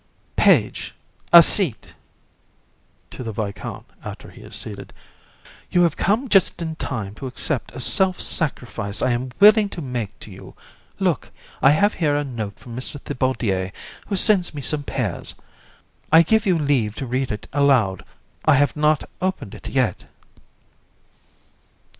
Page, a seat. (To the VISCOUNT, after he is seated) You have come just in time to accept a self sacrifice I am willing to make to you. Look, I have here a note from Mr. Thibaudier, who sends me some pears. I give you leave to read it aloud; I have not opened it yet.